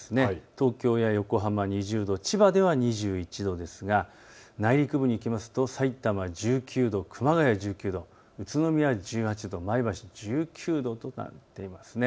東京や横浜２０度、千葉では２１度ですが内陸部にいきますとさいたま１９度、熊谷１９度、宇都宮１８度、前橋１９度となっています。